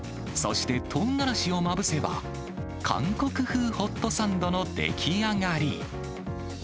そして、とうがらしをまぶせば、韓国風ホットサンドの出来上がり。